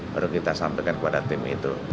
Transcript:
baru kita sampaikan kepada tim itu